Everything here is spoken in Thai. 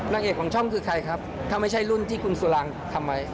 นางเอกของช่องคือใครครับถ้าไม่ใช่รุ่นที่คุณสุรังทำไว้